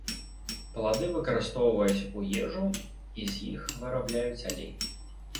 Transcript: Плады выкарыстоўваюць у ежу, і з іх вырабляюць алей.